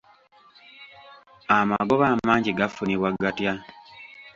Amagoba amangi gafunibwa gatya?